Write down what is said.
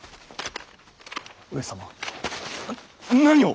上様何を。